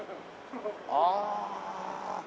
ああ。